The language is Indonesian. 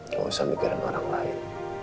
gak usah mikirin orang lain